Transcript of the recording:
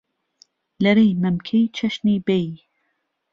لەرەی مەمکەی چەشنی بەی